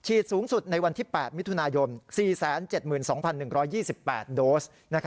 สูงสุดในวันที่๘มิถุนายน๔๗๒๑๒๘โดส